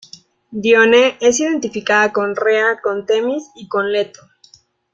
Dione es identificada con Rea, con Temis y con Leto.